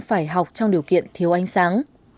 phải học trong điều kiện thiếu ánh sáng